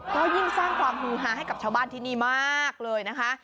ก็ยิ่งสร้างความฮือฮาให้กับชาวบ้านที่นี่มากเลยนะคะ